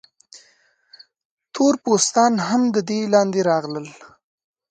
تور پوستان هم د دې لاندې راغلل.